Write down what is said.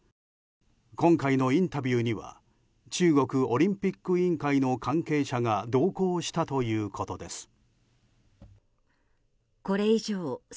今回のインタビューには中国オリンピック委員会の関係者が同行したということです。